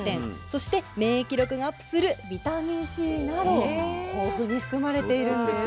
そして免疫力がアップするビタミンＣなど豊富に含まれているんです。